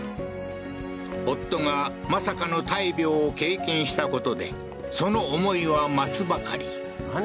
夫がまさかの大病を経験したことでその思いは増すばかり何？